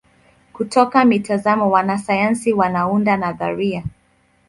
Kutoka mitazamo wanasayansi wanaunda nadharia.